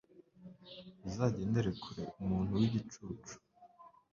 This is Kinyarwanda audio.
uzagendere kure umuntu w'igicucu